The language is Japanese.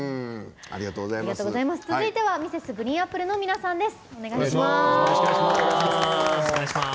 続いては Ｍｒｓ．ＧＲＥＥＮＡＰＰＬＥ の皆さんです。